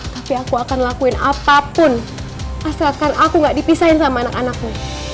tapi aku akan lakuin apapun asalkan aku gak dipisahin sama anak anakmu